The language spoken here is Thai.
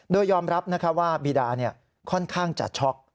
โดยยอมรับว่าบีดาค่อนข้างจะช็อก